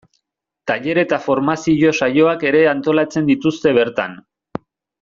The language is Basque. Tailer eta formazio saioak ere antolatzen dituzte bertan.